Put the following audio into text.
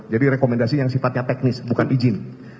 jadi rekomendasi yang sifatnya teknis bukan izin